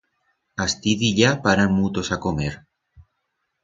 Astí dillá paran mutos a comer.